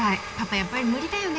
やっぱり無理だよね？